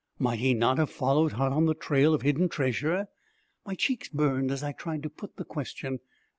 Might he not have followed hot on the trail of hidden treasure? My cheeks burned as I tried to put the question.